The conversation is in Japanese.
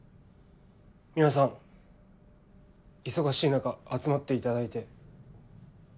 皆さん忙しい中集まっていただいて。